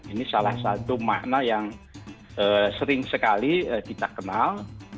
ini salah satu makna yang sering sekali kita kenal